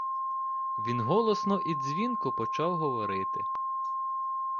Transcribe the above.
Він голосно і дзвінко почав говорити.